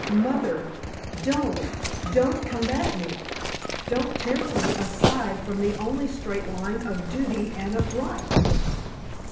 Mother! don't—don't combat me! Don't tempt me aside from the only straight line of duty and of right!"